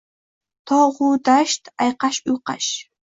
Tog‘u dasht ayqash-uyqash